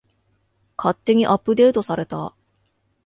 勝手にアップデートされた